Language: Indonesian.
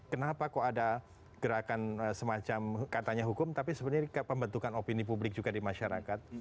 kenapa kok ada gerakan semacam katanya hukum tapi sebenarnya pembentukan opini publik juga di masyarakat